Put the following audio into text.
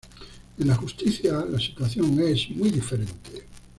En la justicia, la situación es muy diferente.